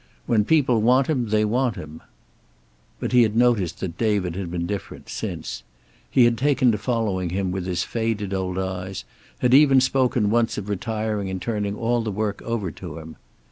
When people want him they want him." But he had noticed that David had been different, since. He had taken to following him with his faded old eyes, had even spoken once of retiring and turning all the work over to him.